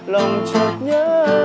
lòng chọc nhớ